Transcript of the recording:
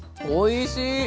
おいしい。